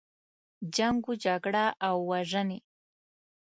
جنګ و جګړه او وژنې.